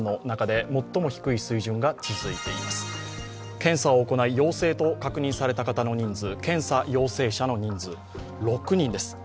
検査を行い陽性と確認された方の人数、検査陽性者の人数、６人です。